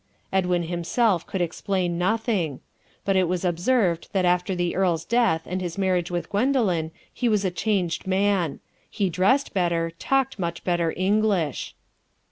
Edwin himself could explain nothing. But it was observed that after the earl's death and his marriage with Gwendoline he was a changed man; he dressed better, talked much better English.